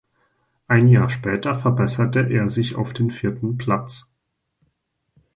Ein Jahr später verbesserte er sich auf den vierten Platz.